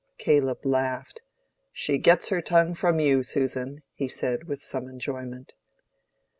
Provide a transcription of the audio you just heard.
Caleb laughed. "She gets her tongue from you, Susan," he said, with some enjoyment.